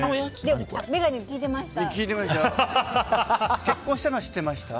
眼鏡聞いてました。